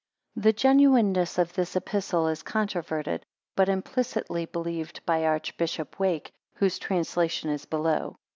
[The genuineness of this Epistle is controverted, but implicitly believed by Archbishop Wake, whose translation is below.